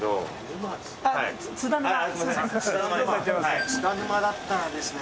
津田沼だったらですね